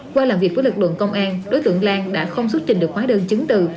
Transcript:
qua làm việc với lực lượng công an đối tượng lan đã không xuất trình được khóa đơn chứng từ